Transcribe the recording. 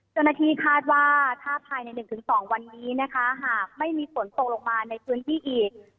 เจ้าหน้าที่คาดว่าถ้าภายใน๑๒วันนี้นะคะหากไม่มีฝนตกลงมาในพื้นที่อีก